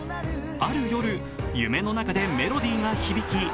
ある夜、夢の中でメロディーが響き